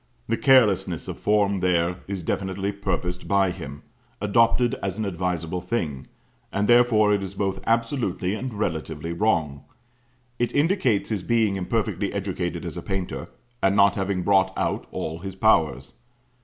The carelessness of form there is definitely purposed by him; adopted as an advisable thing; and therefore it is both absolutely and relatively wrong; it indicates his being imperfectly educated as a painter, and not having brought out all his powers.